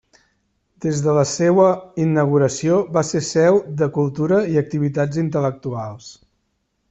Des de la seua inauguració va ser seu de cultura i activitats intel·lectuals.